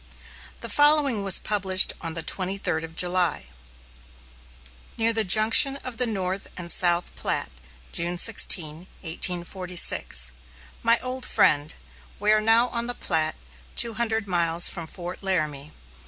The following was published on the twenty third of July: NEAR THE JUNCTION OF THE NORTH AND SOUTH PLATTE, June 16, 1846 MY OLD FRIEND: We are now on the Platte, two hundred miles from Fort Laramie.